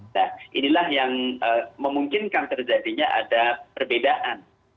nah inilah yang memungkinkan terjadinya ada perbedaan